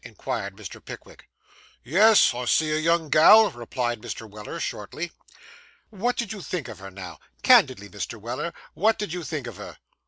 inquired Mr. Pickwick. 'Yes. I see a young gal,' replied Mr. Weller shortly. 'What did you think of her, now? Candidly, Mr. Weller, what did you think of her?